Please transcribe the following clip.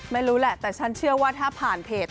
ไม่รู้แหละแต่ฉันเชื่อว่าถ้าผ่านเพจ